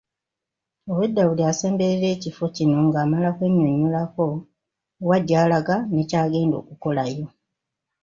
Obwedda buli asemberera ekifo kino ng'amala kwennyonnyolako wa gy'alaga nekyagenda okukolayo.